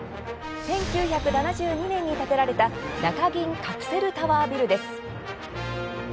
１９７２年に建てられた中銀カプセルタワービルです。